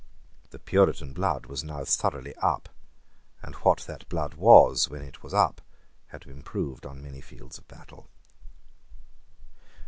The Puritan blood was now thoroughly up; and what that blood was when it was up had been proved on many fields of battle.